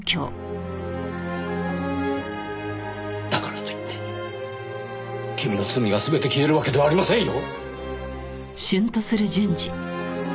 だからといって君の罪が全て消えるわけではありませんよ。